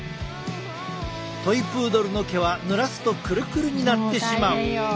トイプードルの毛はぬらすとクルクルになってしまう。